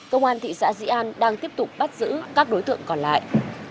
công an thị xã dĩ an đang tiếp tục bắt giữ các đối tượng còn lại